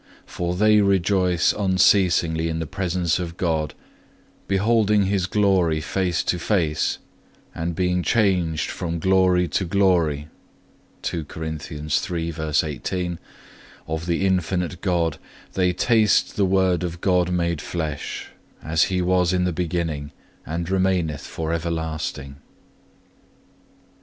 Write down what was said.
For they rejoice unceasingly in the presence of God, beholding His glory face to face, and _being changed from glory to glory_(2) of the infinite God, they taste the Word of God made flesh, as He was in the beginning and remaineth for everlasting.